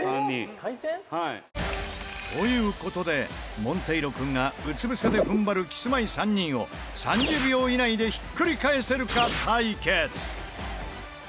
「対戦？」という事でモンテイロ君がうつ伏せで踏ん張るキスマイ３人を３０秒以内でひっくり返せるか対決。